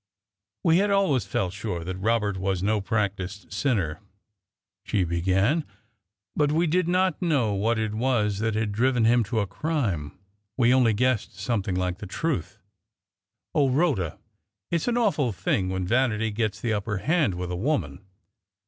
"We had always felt sure that Robert was no practised sinner," she began; "but we did not know what it was that had driven him to a crime we only guessed something like the truth. O Rhoda, it's an awful thing when vanity gets the upper hand with a woman!